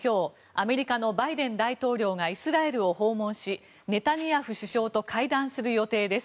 アメリカのバイデン大統領がイスラエルを訪問しネタニヤフ首相と会談する予定です。